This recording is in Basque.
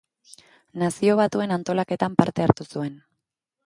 Nazio Batuen antolaketan parte hartu zuen.